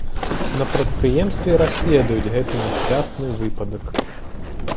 На прадпрыемстве расследуюць гэты няшчасны выпадак.